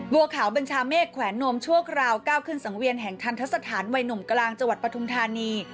บัวขาวบัญชาเมฆแขวนนวมชั่วคราวก้าวขึ้นสังเวียนแห่งทันทสถานวัยหนุ่มกลางจังหวัดปทุมธานี